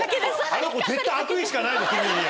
あの子絶対悪意しかないぞ君に。